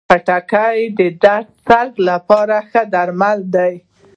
خټکی د سر درد لپاره ښه درمل دی.